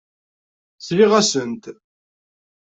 Sliɣ-asent.